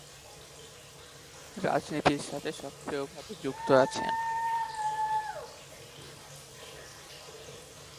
রাজনীতির সাথে সক্রিয় ভাবে যুক্ত আছেন।